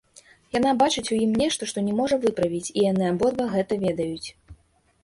Яна бачыць у ім нешта, што не можа выправіць, і яны абодва гэта ведаюць.